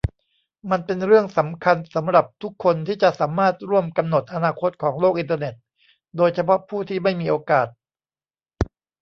มันเป็นเรื่องสำคัญสำหรับทุกคนที่จะสามารถร่วมกำหนดอนาคตของโลกอินเทอร์เน็ต โดยเฉพาะผู้ที่ไม่มีโอกาส